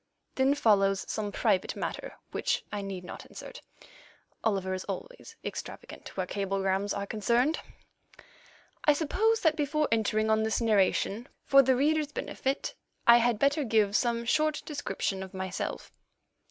Then follows some private matter which I need not insert. Oliver is always extravagant where cablegrams are concerned. I suppose that before entering on this narration, for the reader's benefit I had better give some short description of myself.